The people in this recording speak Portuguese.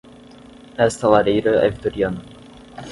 Esta lareira é vitoriana.